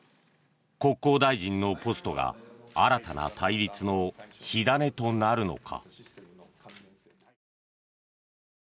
国交大臣のポストが新たな対立の火種となるのか。